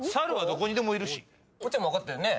こっちは分かったよね。